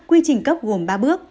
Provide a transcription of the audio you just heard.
quy trình cấp gồm ba bước